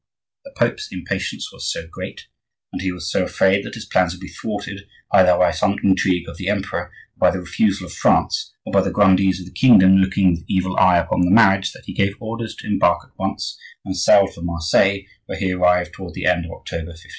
The Pope's impatience was so great, and he was so afraid that his plans would be thwarted either by some intrigue of the emperor, or by the refusal of France, or by the grandees of the kingdom looking with evil eye upon the marriage, that he gave orders to embark at once, and sailed for Marseille, where he arrived toward the end of October, 1533.